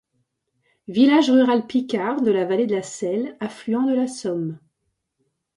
Village rural picard de la vallée de la Selle, affluent de la Somme.